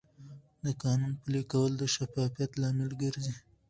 د قانون پلي کول د شفافیت لامل ګرځي.